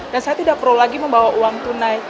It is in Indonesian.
dan saya tidak perlu lagi membawa uang tunai